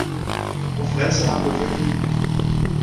Vor Frelser han blev født!